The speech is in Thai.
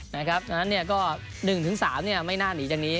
นะครับฉะนั้นเนี่ยก็๑๓เนี่ยไม่น่าหนีจากนี้